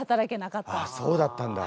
あそうだったんだ。